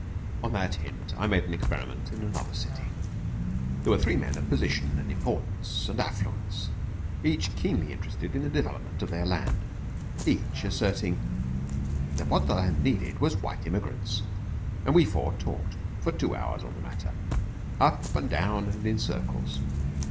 On that hint I made an experiment in another city. There were three men of position, and importance, and affluence, each keenly interested in the development of their land, each asserting that what the land needed was white immigrants. And we four talked for two hours on the matter up and down and in circles.